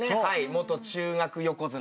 元中学横綱。